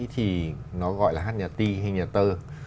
thì nó gọi là hát nhà ti hay nhà tơ